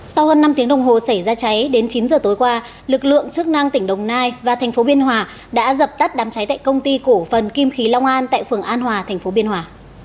sau hơn năm tiếng đồng hồ xảy ra cháy đến chín giờ tối qua lực lượng chức năng tỉnh đồng nai và thành phố biên hòa đã dập tắt đám cháy tại công ty cổ phần kim khí long an tại phường an hòa thành phố biên hòa